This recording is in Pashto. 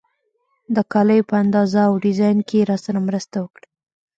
د کالیو په اندازه او ډیزاین کې یې راسره مرسته وکړه.